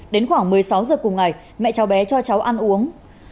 đến khoảng một mươi sáu giờ cùng ngày mẹ cháu bé cho cháu ăn uống